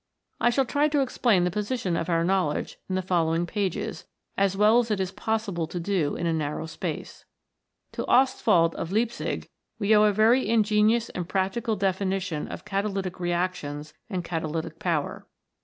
I shall try to explain the position of our knowledge in the following pages as well as it is possible to do in a narrow space. To Ostwald, of Leipzig, we owe a very ingenious and practical definition of catalytic reactions and catalytic power.